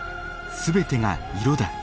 全てが色だ。